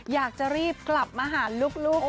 อยากจะรีบกลับมาหาลูก